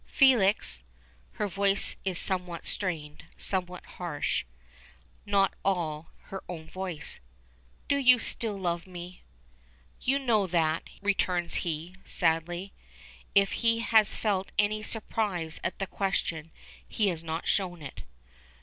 "Felix," her voice is somewhat strained, somewhat harsh, not at all her own voice, "do you still love me?" "You know that," returns he, sadly. If he has felt any surprise at the question he has not shown it.